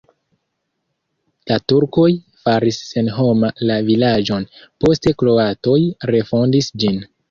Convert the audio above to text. La turkoj faris senhoma la vilaĝon, poste kroatoj refondis ĝin.